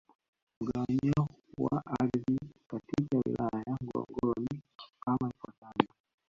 Mgawanyo wa ardhi katika Wilaya ya Ngorongoro ni kama ifuatavyo